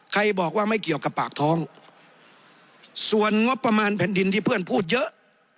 บอกว่าไม่เกี่ยวกับปากท้องส่วนงบประมาณแผ่นดินที่เพื่อนพูดเยอะ